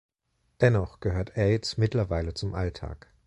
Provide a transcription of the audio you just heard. Dennoch gehört Aids mittlerweile zum Alltag.